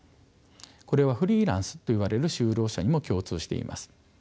これはフリーランスといわれる就労者にも共通しています。